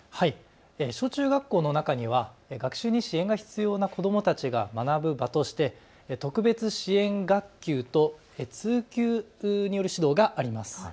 小中学校の中には学習に支援が必要な子どもたちが学ぶ場として特別支援学級と通級による指導があります。